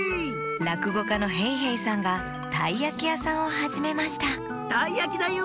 らくごかのへいへいさんがたいやきやさんをはじめましたたいやきだよ！